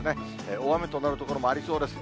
大雨となる所もありそうです。